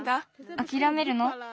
あきらめるの？